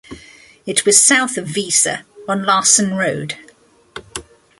It was south of Weiser on Larsen Rd.